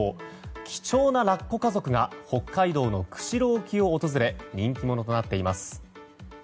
貴重なラッコ家族が北海道の釧路沖を訪れ人気者となっています。